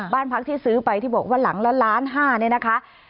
บ้านพักที่ซื้อไปที่บอกว่าหลังละล้านห้าเนี่ยนะคะ